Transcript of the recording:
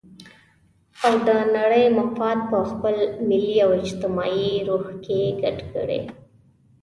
او د نړۍ مفاد په خپل ملي او اجتماعي روح کې ګډ کړي.